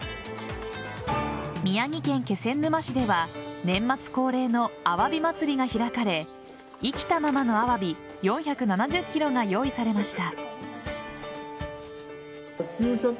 宮城県気仙沼市では年末恒例のあわびまつりが開かれ生きたままのアワビ４７０ｋｇが用意されました。